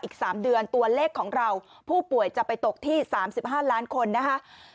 อีก๓เดือนตัวเลขของเราผู้ป่วยจะไปตกที่๓๕ล้านคนนะคะ